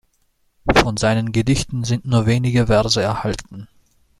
Von seinen Gedichten sind nur wenige Verse erhalten.